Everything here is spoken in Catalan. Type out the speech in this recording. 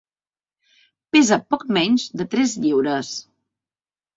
Pesa poc menys de tres lliures.